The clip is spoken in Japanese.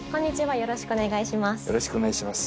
よろしくお願いします。